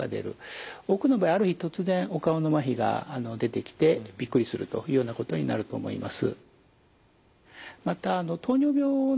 多くの場合ある日突然お顔のまひが出てきてびっくりするというようなことになると思います。